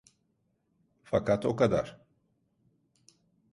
Fakat o kadar.